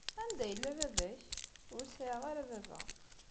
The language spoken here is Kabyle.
Anda yella baba-k? Ur sɛiɣ ara baba.